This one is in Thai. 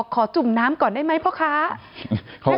ขอจุ่มน้ำก่อนได้ไหมบ้าง